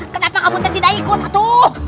kenapa kamu tak tidak ikut atu